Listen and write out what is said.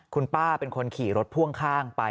คุณป้าเป็นคนขี่รถพ่วงข้างไป